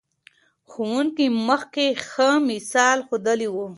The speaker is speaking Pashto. ښوونکي مخکې ښه مثال ښودلی و.